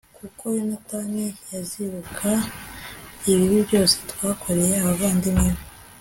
kuko yonatani yazibuka ibibi byose twakoreye abavandimwe be